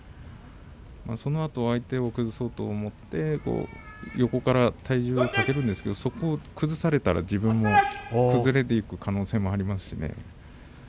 そのあと相手を崩そうと思って横から体重をかけるんですがそこを崩されたら自分も崩れていく可能性もありますね。